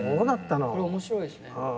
これ面白いっすね。